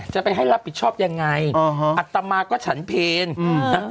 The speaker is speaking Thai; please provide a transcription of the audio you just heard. จะไปให้รับผิดชอบยังไงอ๋อฮะอัตมาก็ฉันเพลอืมนะฮะ